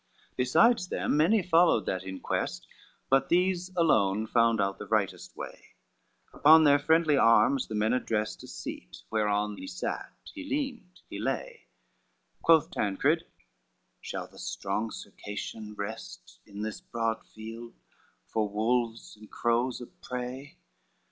CXVI Besides them, many followed that enquest, But these alone found out the rightest way, Upon their friendly arms the men addressed A seat whereon he sat, he leaned, he lay: Quoth Tancred, "Shall the strong Circassian rest In this broad field, for wolves and crows a prey?